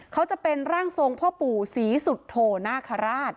เขาจะเป็นร่างทรงพ่อปู่ศรีสุโธนาคาราช